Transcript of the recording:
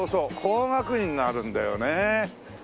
工学院があるんだよね。